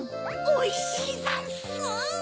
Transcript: おいしいざんす！